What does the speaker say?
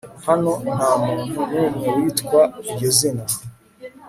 Hano ntamuntu numwe witwa iryo zina